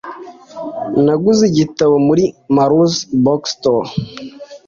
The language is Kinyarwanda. Naguze iki gitabo muri Maruzen Bookstore.